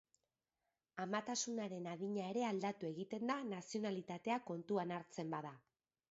Amatasunaren adina ere aldatu egiten da nazionalitatea kontuan hartzen bada.